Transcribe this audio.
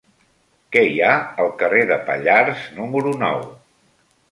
Què hi ha al carrer de Pallars número nou?